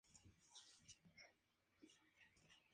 El Ayuntamiento de Jerez de la Frontera le dedicó una calle.